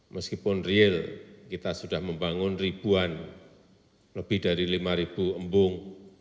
meskipun real kita sudah membangun ribuan lebih dari lima embung